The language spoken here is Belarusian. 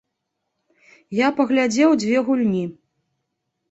Я паглядзеў дзве гульні.